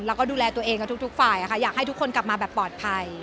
แล้วก็ดูแลตัวเองกับทุกฝ่ายค่ะอยากให้ทุกคนกลับมาแบบปลอดภัย